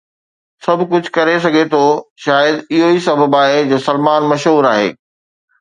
سڀ ڪجهه ڪري سگهي ٿو، شايد اهو ئي سبب آهي جو سلمان مشهور آهي